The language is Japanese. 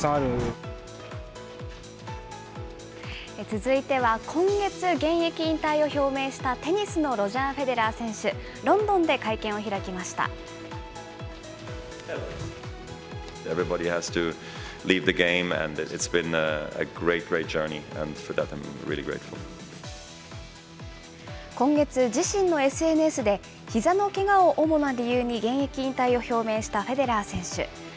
続いては今月、現役引退を表明したテニスのロジャー・フェデラー選手、ロンドン今月、自身のＳＮＳで、ひざのけがを主な理由に、現役引退を表明したフェデラー選手。